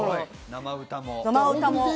生歌も。